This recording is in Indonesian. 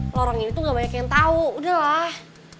lo orang ini tuh gak banyak yang tau udahlah